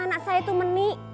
anak saya itu menik